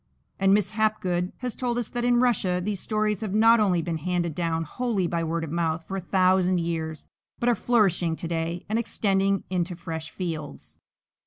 And Miss Hapgood has told us that in Russia these stories have not only been handed down wholly by word or mouth for a thousand years, but are flourishing to day and extending into fresh fields.